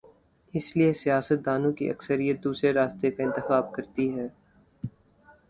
اس لیے سیاست دانوں کی اکثریت دوسرے راستے کا انتخاب کر تی ہے۔